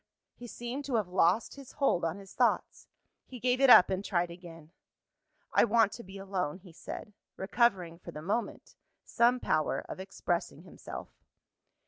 He seemed to have lost his hold on his thoughts he gave it up, and tried again. "I want to be alone," he said; recovering, for the moment, some power of expressing himself.